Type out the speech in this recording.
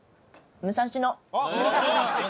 「武蔵野」